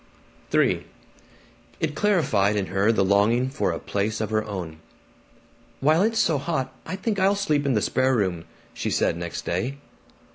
III It clarified in her the longing for a place of her own. "While it's so hot, I think I'll sleep in the spare room," she said next day.